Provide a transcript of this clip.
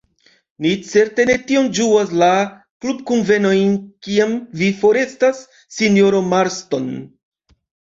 Ni certe ne tiom ĝuas la klubkunvenojn, kiam vi forestas, sinjoro Marston.